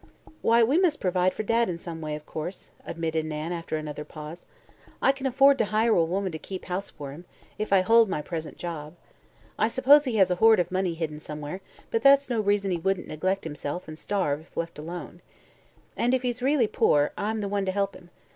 "Why, we must provide for Dad in some way, of course," admitted Nan after another pause. "I can afford to hire a woman to keep house for him, if I hold my present job. I suppose he has a hoard of money hidden somewhere, but that's no reason he wouldn't neglect himself and starve if left alone. And, if he's really poor, I'm the one to help him.